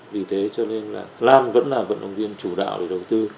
vì thế cho nên là lan vẫn là vận động viên chủ đạo để đầu tư